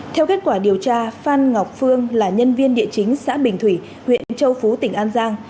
theo kết quả điều tra phan ngọc phương là nhân viên địa chính xã bình thủy huyện châu phú tỉnh an giang